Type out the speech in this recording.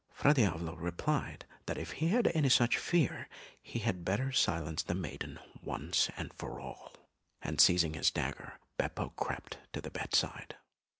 Fra Diavolo replied that if he had any such fear, he had better silence the maiden once and for all; and seizing his dagger, Beppo crept to the bedside.